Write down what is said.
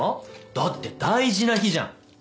だって大事な日じゃん。